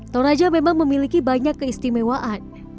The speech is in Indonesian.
toraja memang memiliki banyak keistimewaan